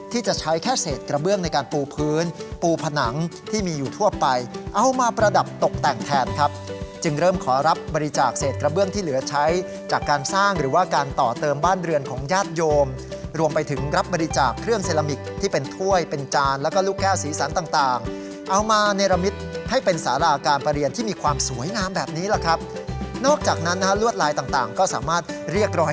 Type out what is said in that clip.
แทนครับจึงเริ่มขอรับบริจาคเศษกระเบื้องที่เหลือใช้จากการสร้างหรือว่าการต่อเติมบ้านเรือนของญาติโยมรวมไปถึงรับบริจาคเครื่องเซรามิกที่เป็นถ้วยเป็นจานแล้วก็ลูกแก้วสีสันต่างต่างเอามาเนรมิตให้เป็นสาราการประเรียนที่มีความสวยงามแบบนี้แหละครับนอกจากนั้นฮะลวดลายต่างต่างก็สามารถเรียก